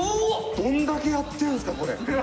どんだけやってるんですかこれ。